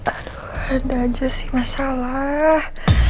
aduh ada aja sih masalah